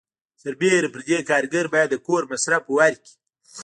سربیره پر دې کارګر باید د کور مصرف ورکړي.